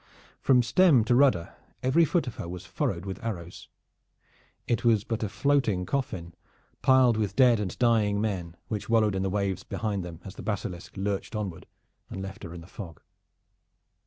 From stem to rudder every foot of her was furred with arrows. It was but a floating coffin piled with dead and dying men, which wallowed in the waves behind them as the Basilisk lurched onward and left her in the fog.